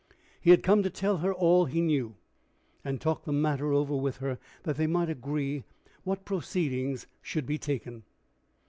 He had come to tell her all he knew, and talk the matter over with her, that they might agree what proceedings should be taken.